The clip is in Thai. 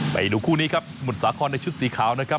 ไปดูคู่นี้ครับสมุทรสาครในชุดสีขาวนะครับ